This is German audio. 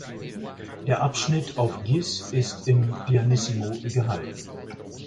Der Abschnitt auf Gis ist im Pianissimo gehalten.